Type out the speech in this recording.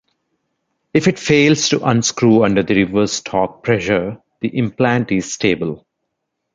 If it fails to unscrew under the reverse torque pressure, the implant is stable.